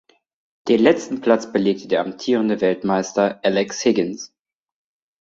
Den letzten Platz belegte der amtierende Weltmeister Alex Higgins.